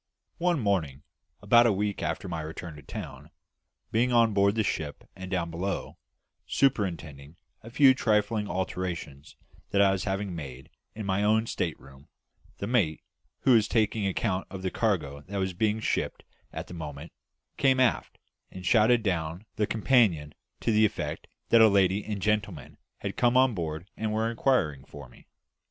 One morning, about a week after my return to town, being on board the ship and down below, superintending a few trifling alterations that I was having made in my own state room, the mate, who was taking account of the cargo that was being shipped at the moment, came aft and shouted down the companion to the effect that a lady and gentleman had come on board and were inquiring for me.